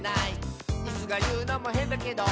「イスがいうのもへんだけど」